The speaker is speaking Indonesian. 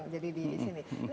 jadi di sini